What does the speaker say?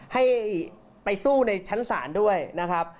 ให้ไปสู้ในชั้นศาลด้วยนะครับ